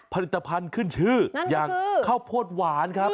ผลิตภัณฑ์ขึ้นชื่ออย่างข้าวโพดหวานครับ